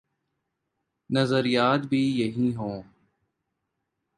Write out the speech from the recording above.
نظریات بھی یہی ہوں۔